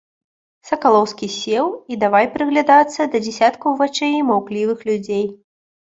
Сакалоўскі сеў і давай прыглядацца да дзесяткаў вачэй маўклівых людзей.